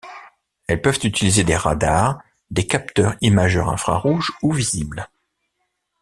Elles peuvent utiliser des radars, des capteurs imageurs infrarouge ou visible.